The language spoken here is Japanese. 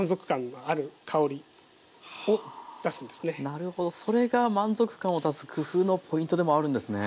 なるほどそれが満足感を出す工夫のポイントでもあるんですね。